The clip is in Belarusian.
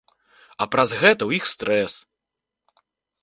А праз гэта ў іх стрэс.